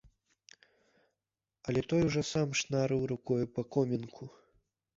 Але той ужо сам шнарыў рукою па комінку.